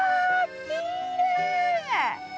きれい！